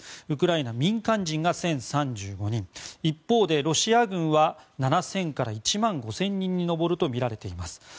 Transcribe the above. ウクライナ民間人が１０３５人一方でロシア軍は７０００から１万５０００人に上るとみられています。